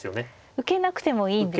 受けなくてもいいんですね。